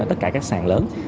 ở tất cả các sàn lớn